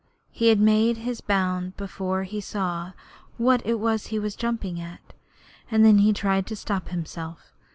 He made his bound before he saw what it was he was jumping at, and then he tried to stop himself.